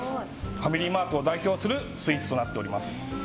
ファミリーマートを代表するスイーツとなっております。